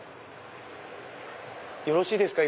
よろしいですか？